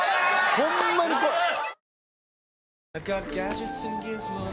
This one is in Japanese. ホンマにこい。